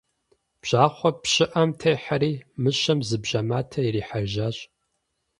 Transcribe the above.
Бжьахъуэ пщыӏэм техьэри, мыщэм зы бжьэматэ ирихьэжьащ.